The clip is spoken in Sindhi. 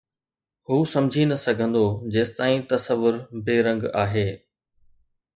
هو سمجھي نه سگھندو جيستائين تصور بي رنگ آهي